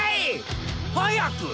早く！